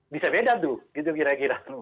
bisa beda tuh gitu kira kira